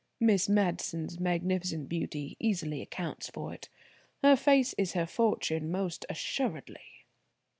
Miss Madison's magnificent beauty easily accounts for it. Her face is her fortune, most assuredly."